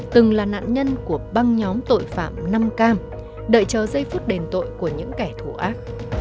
từng là nạn nhân của băng nhóm tội phạm năm cam đợi chờ giây phút đền tội của những kẻ thù ác